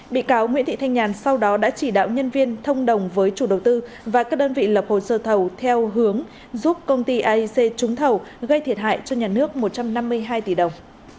bị cáo nguyễn thị thanh nhàn sau đó đã chỉ đạo nhân viên thông đồng với chủ đầu tư và các đơn vị lập hồ sơ thầu theo hướng giúp công ty aic trúng thầu gây thiệt hại cho nhà nước một trăm năm mươi hai tỷ đồng